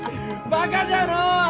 バカじゃのう！